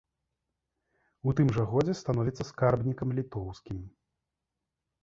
У тым жа годзе становіцца скарбнікам літоўскім.